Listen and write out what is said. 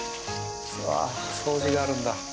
掃除があるんだ。